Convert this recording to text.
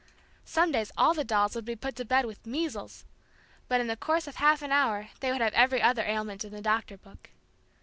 Some days all the dolls would be put to bed with "measles" but in the course of half an hour they would have every other ailment in the Doctor book.